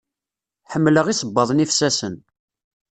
Ḥemmleɣ isebbaḍen ifsasen.